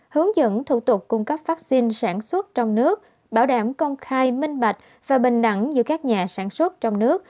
hướng dẫn thủ tục cung cấp vaccine sản xuất trong nước bảo đảm công khai minh bạch và bình đẳng giữa các nhà sản xuất trong nước